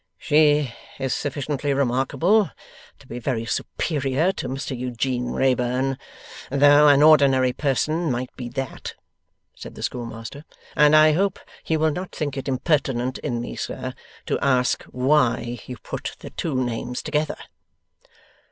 'She is sufficiently remarkable to be very superior to Mr Eugene Wrayburn though an ordinary person might be that,' said the schoolmaster; 'and I hope you will not think it impertinent in me, sir, to ask why you put the two names together?